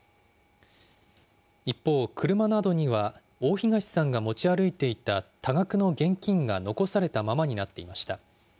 一方、車などには大東さんが持ち歩いていた多額の現金が残されたままになっていました。